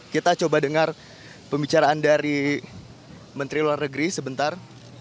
kita coba dengar pembicaraan dari menteri luar negeri sebentar